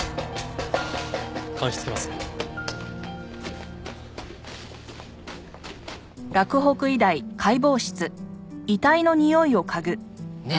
監視つけます。ね？